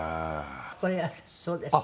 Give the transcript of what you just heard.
これがそうですね。